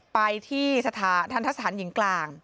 ไปที่ฐานทศาลหญิงกลาง